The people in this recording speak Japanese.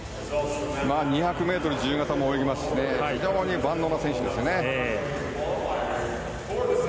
２００ｍ自由形も泳ぎますし非常に万能な選手ですよね。